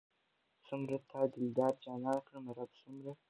څومره تا دلدار جانان کړم رب څومره